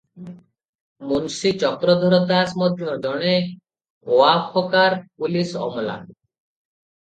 ମୁନସି ଚକ୍ରଧର ଦାସ ମଧ୍ୟ ଜଣେ ଓଆକଫକାର ପୁଲିସ ଅମଲା ।